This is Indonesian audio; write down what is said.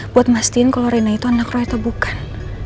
buat mastiin kalau reina itu anak roy atau bukan